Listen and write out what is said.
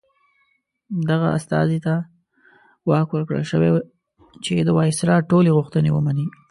دغه استازي ته واک ورکړل شوی چې د وایسرا ټولې غوښتنې ومني.